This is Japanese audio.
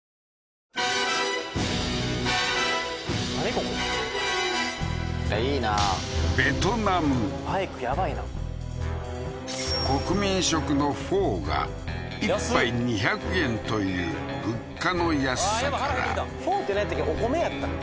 ここいいなバイクやばいな国民食のフォーが１杯２００円という物価の安さからフォーってなんやったっけ？